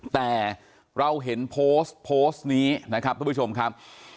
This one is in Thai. แต่เราเห็นโพสต์โพสต์นี้นะครับทุกผู้ชมครับ